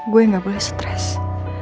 saya tidak boleh stress